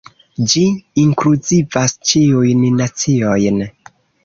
Ĝi inkluzivas ĉiujn naciojn.